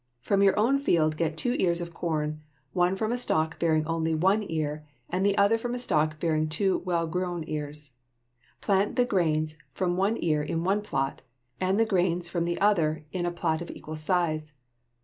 From your own field get two ears of corn, one from a stalk bearing only one ear and the other from a stalk bearing two well grown ears. Plant the grains from one ear in one plat, and the grains from the other in a plat of equal size.